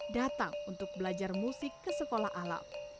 datang untuk belajar musik ke sekolah alam